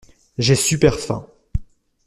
J'ai super faim.